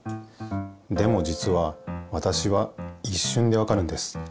でもじつはわたしはいっしゅんでわかるんです。